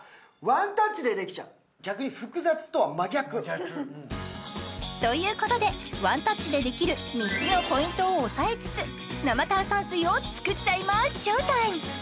逆に複雑とは真逆真逆ということでワンタッチでできる３つのポイントを押さえつつ生炭酸水を作っちゃいまＳＨＯＷＴＩＭＥ！